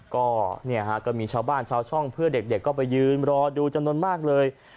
ก็เนี่ยฮะก็มีชาวบ้านชาวช่องเพื่อเด็กก็ไปยืนรอดูจำนวนมากเลย